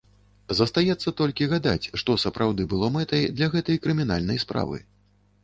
Застаецца толькі гадаць, што сапраўды было мэтай для гэтай крымінальнай справы?